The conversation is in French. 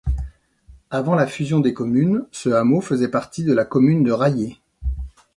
Avant la fusion des communes, ce hameau faisait partie de la commune de Rahier.